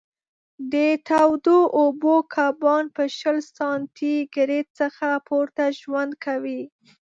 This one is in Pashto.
د تودو اوبو کبان په شل سانتي ګرېد څخه پورته ژوند کوي.